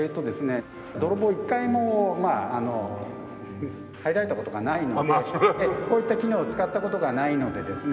泥棒一回も入られた事がないのでこういった機能を使った事がないのでですね